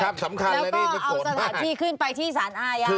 ครับสำคัญนี่แล้วก็เอาสถานที่ขึ้นไปที่สารอายาด้วยค่ะ